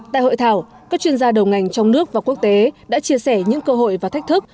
tại hội thảo các chuyên gia đầu ngành trong nước và quốc tế đã chia sẻ những cơ hội và thách thức